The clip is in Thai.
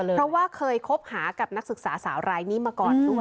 เพราะว่าเคยคบหากับนักศึกษาสาวรายนี้มาก่อนด้วย